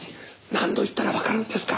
何度言ったらわかるんですか！